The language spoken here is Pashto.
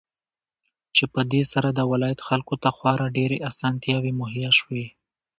چې په دې سره د ولايت خلكو ته خورا ډېرې اسانتياوې مهيا شوې.